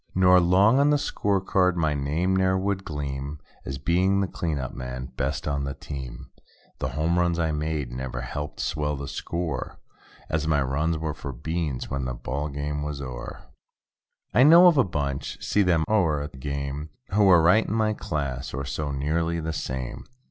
Nor 'long on the score card my name ne'er would gleam. As being the "clean up man"—best on the team. The home runs I made never helped swell the score. As my runs were for "beans" when the ball game was o'er. I know of a bunch—see them o'er at the game. Who were right in my class, or so nearly the same.